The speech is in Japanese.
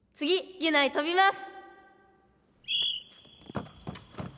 ギュナイとびます！